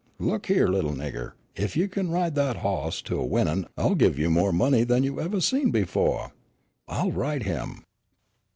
Look here, little nigger, if you can ride that hoss to a winnin' I'll give you more money than you ever seen before." "I'll ride him."